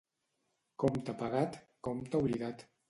Compte pagat, compte oblidat.